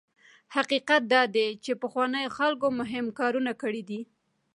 حقیقت دا دی چې پخوانیو خلکو مهم کارونه کړي دي.